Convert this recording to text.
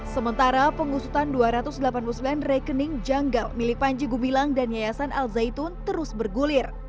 sementara pengusutan dua ratus delapan puluh sembilan rekening janggal milik panji gumilang dan yayasan al zaitun terus bergulir